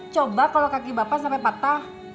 coba kalau kaki bapak sampai patah